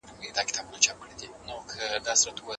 جهالت د معلوماتو په مټ ختمیږي.